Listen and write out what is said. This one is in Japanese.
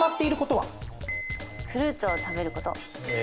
フルーツを食べること。